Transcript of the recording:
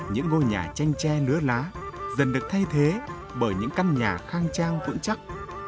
những ngôi nhà chanh tre lứa lá dần được thay thế bởi những căn nhà khang trang vững chắc